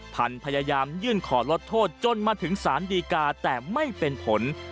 พยายามยื่นขอลดโทษจนมาถึงสารดีกาแต่ไม่เป็นผล